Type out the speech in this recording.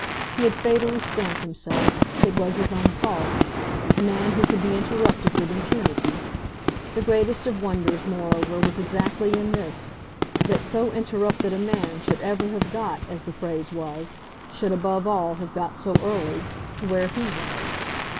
He had fatally stamped himself it was his own fault a man who could be interrupted with impunity. The greatest of wonders, moreover, was exactly in this, that so interrupted a man should ever have got, as the phrase was, should above all have got so early, to where he was.